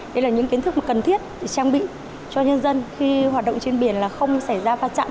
đây là những kiến thức mà cần thiết để trang bị cho nhân dân khi hoạt động trên biển là không xảy ra va chạm